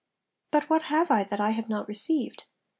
'But what have I that I have not received?